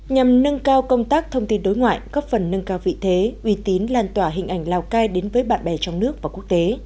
nhằm nâng cao công tác thông tin đối ngoại góp phần nâng cao vị thế uy tín lan tỏa hình ảnh lào cai đến với bạn bè trong nước và quốc tế